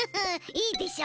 いいでしょ？